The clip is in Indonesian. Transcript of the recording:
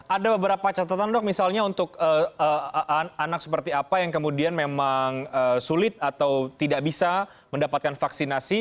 ada beberapa catatan dok misalnya untuk anak seperti apa yang kemudian memang sulit atau tidak bisa mendapatkan vaksinasi